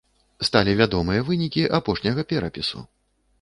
Сталі вядомыя вынікі апошняга перапісу.